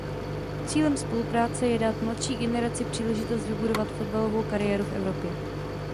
Cílem spolupráce je dát mladší generaci příležitost vybudovat fotbalovou kariéru v Evropě.